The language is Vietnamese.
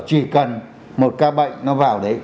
chỉ cần một ca bệnh nó vào đấy